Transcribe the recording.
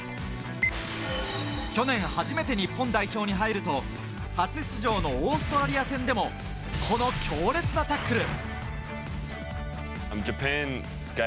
去年初めて日本代表に入ると初出場のオーストラリア戦でもこの強烈なタックル。